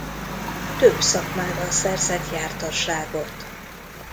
Több szakmában szerzett jártasságot.